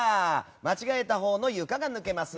間違えたほうの床が抜けます。